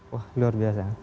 wah luar biasa